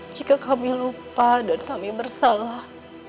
jika kami lupa dan kami bersalah